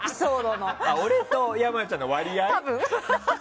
俺と山ちゃんの割合？